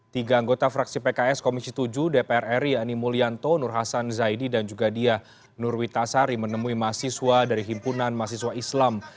tiga anggota fraksi pks komisi tujuh dpr ri ani mulyanto nur hasan zaidi dan juga dia nurwitasari menemui mahasiswa dari himpunan mahasiswa islam